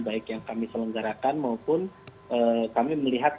baik yang kami selenggarakan maupun kami melihat